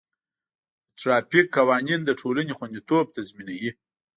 د ټرافیک قوانین د ټولنې خوندیتوب تضمینوي.